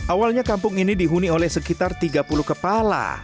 awalnya kampung ini dihuni oleh sekitar tiga puluh kepala